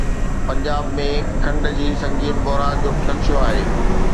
پنجاب ۾ کنڊ جي سنگين بحران جو خدشو آهي